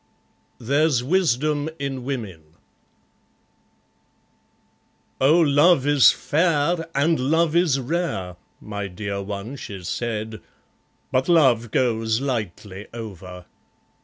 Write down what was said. There's Wisdom in Women "Oh love is fair, and love is rare;" my dear one she said, "But love goes lightly over."